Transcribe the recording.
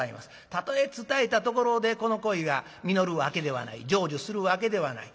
たとえ伝えたところでこの恋が実るわけではない成就するわけではない。